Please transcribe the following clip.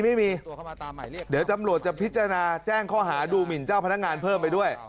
ไม่มีเดี๋ยวตำรวจจะพิจารณาแจ้งข้อหาดูหมินเจ้าพนักงานเพิ่มไปด้วย